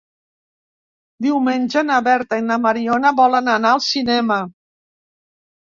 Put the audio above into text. Diumenge na Berta i na Mariona volen anar al cinema.